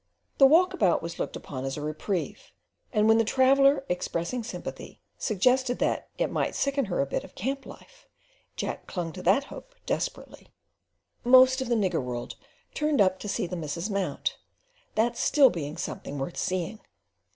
The walk about was looked upon as a reprieve, and when a traveller, expressing sympathy, suggested that "it might sicken her a bit of camp life," Jack clung to that hope desperately. Most of the nigger world turned up to see the "missus mount," that still being something worth seeing.